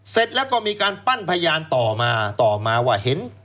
เสร็จแล้วก็มีการปั้นพยานต่อมาต่อมาว่าเห็น